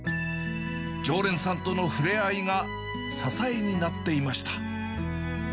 常連さんとの触れ合いが支えになっていました。